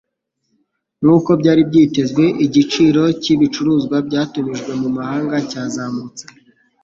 Nkuko byari byitezwe, igiciro cyibicuruzwa byatumijwe mu mahanga cyazamutse.